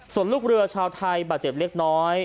ส่วนลูกเรือชาวไทยบาดเจ็บเล็กน้อย